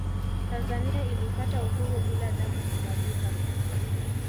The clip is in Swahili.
Tanzania ilipata uhuru bila damu kumwagika